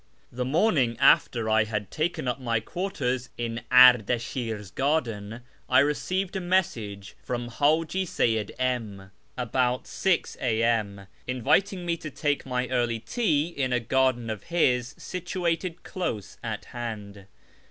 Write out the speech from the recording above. The morning after I had taken up my quarters in Ardashir's garden I received a message from H;iji Seyyid M about 6 A.M., inviting me to take my early tea in a garden of his situated close at hand.